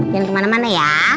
jangan kemana mana ya